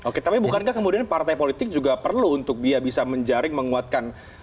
oke tapi bukankah kemudian partai politik juga perlu untuk dia bisa menjaring menguatkan